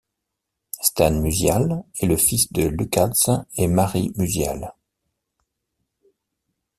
Stan Musial est le fils de Lukasz et Mary Musial.